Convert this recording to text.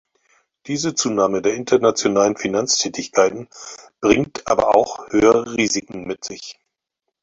Diese Zunahme der internationalen Finanztätigkeiten bringt aber auch höhere Risiken mit sich.